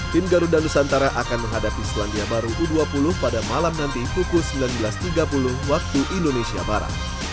tim garuda nusantara akan menghadapi selandia baru u dua puluh pada malam nanti pukul sembilan belas tiga puluh waktu indonesia barat